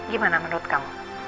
gimana menurut kamu